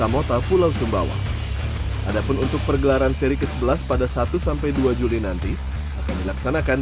mota pulau sumbawa adapun untuk pergelaran seri ke sebelas pada satu dua juli nanti akan dilaksanakan